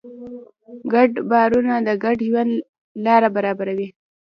ګډ باورونه د ګډ ژوند لاره برابروي.